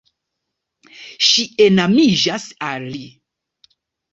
Ŝi enamiĝas al li.